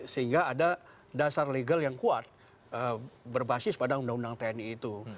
sehingga ada dasar legal yang kuat berbasis pada undang undang tni itu